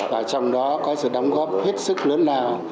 và trong đó có sự đóng góp hết sức lớn lao